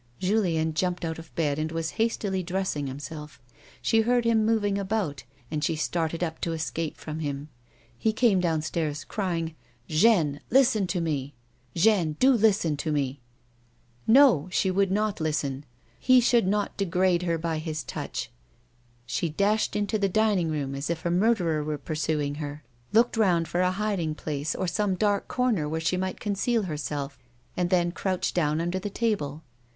Julien had jumped out of bed, and was hastily dressing himself. She heard him moving lOG A WOMAN'S LIFE. about, and she started up to escape from him. Ho came downstairs crying, " Jeanne, do hsten to me !" N.), she would not listen ; he should not degrade her hy his touch. She dashed into the dining room as if a murderer were pursuing her, looked round for a hiding place or some dark corner where she might conceal herself, and then crouched down under the table.